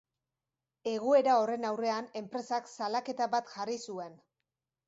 Egoera horren aurrean, enpresak salaketa bat jarri zuen.